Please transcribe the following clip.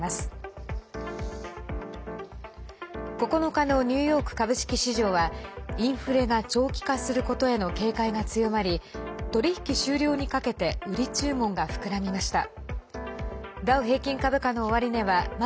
９日のニューヨーク株式市場はインフレが長期化することへの警戒が強まり取引終了にかけて売り注文が膨らみました。